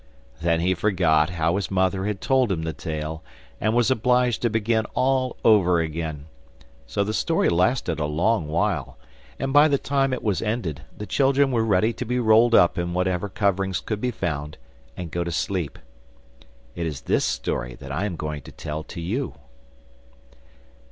Then he forgot how his mother had told him the tale, and was obliged to begin all over again, so the story lasted a long while, and by the time it was ended the children were ready to be rolled up in what ever coverings could be found, and go to sleep. It is this story that I am going to tell to you.